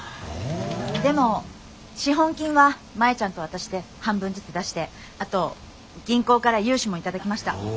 でも資本金は舞ちゃんと私で半分ずつ出してあと銀行から融資も頂きました。